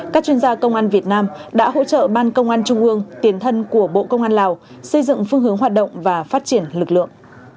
các chuyên gia công an việt nam đã hỗ trợ ban công an trung ương tiền thân của bộ công an lào xây dựng phương hướng hoạt động và phát triển lực lượng